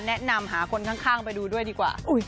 แนะนำหาคนข้างไปดูด้วยดีกว่า